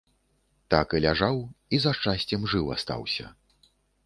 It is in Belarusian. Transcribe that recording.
Так і ляжаў і за шчасцем жыў застаўся.